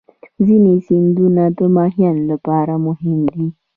ځینې سیندونه د ماهیانو لپاره مهم دي.